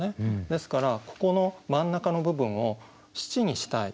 ですからここの真ん中の部分を七にしたい。